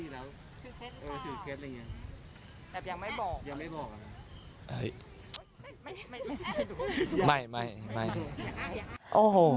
ไม่ใช่ว่ามีแล้วยังไม่บอก